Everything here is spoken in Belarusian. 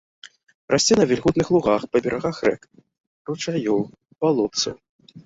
Расце на вільготных лугах, па берагах рэк, ручаёў, балотцаў.